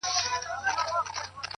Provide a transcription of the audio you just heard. له قلا څخه دباندي یا په ښار کي٫